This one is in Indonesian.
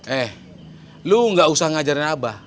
eh lu gak usah ngajarin abah